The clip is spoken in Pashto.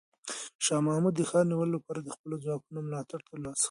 شاه محمود د ښار د نیولو لپاره د خپلو ځواکونو ملاتړ ترلاسه کړ.